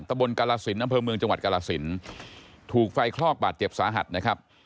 ตะบนกาลสินอำเภอเมืองจังหวัดกรสินถูกไฟคลอกบาดเจ็บสาหัสนะครับ